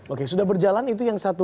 oke sudah berjalan itu yang satu